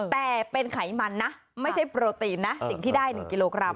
แต่เป็นไขมันนะไม่ใช่โปรตีนนะสิ่งที่ได้๑กิโลกรัม